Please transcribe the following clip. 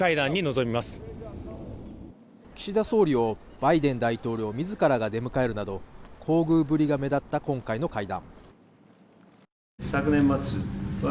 岸田総理をバイデン大統領自らが出迎えるなど厚遇ぶりが目立った今回の会談。